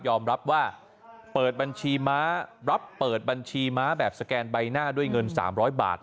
รับว่าเปิดบัญชีม้ารับเปิดบัญชีม้าแบบสแกนใบหน้าด้วยเงิน๓๐๐บาท